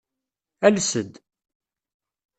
Ales-d.